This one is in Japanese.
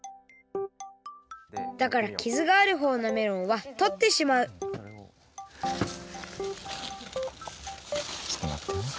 だからきずがあるほうのメロンはとってしまうちょっとまってね。